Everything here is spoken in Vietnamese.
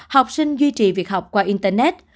học sinh duy trì việc học qua internet